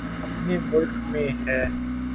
اپنے ملک میں ہے۔